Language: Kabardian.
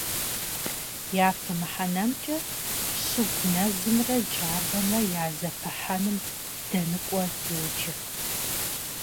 Япэ мыхьэнэмкӀэ щыгу нэзымрэ джабэмрэ я зэпыхьэпӀэм дэныкӀуэ йоджэ.